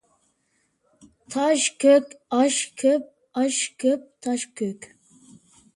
تاش كۆك، ئاش كۆپ، ئاش كۆپ، تاش كۆك.